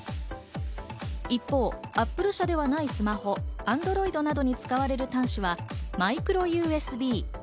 一方、Ａｐｐｌｅ社ではないスマホ、アンドロイドなどに使われる端子はマイクロＵＳＢ。